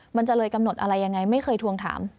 มันจะเลยกำหนดอะไรยังไงไม่เคยทวงถาม